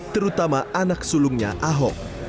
terutama anak sulungnya ahok